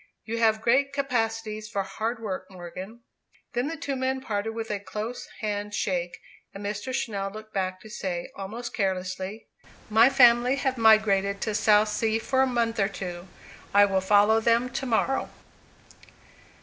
You have great capacities for hard work, Morgan." Then the two men parted with a close hand shake. And Mr. Channell looked back to say, almost carelessly, "My family have migrated to Southsea for a month or two. I follow them to morrow."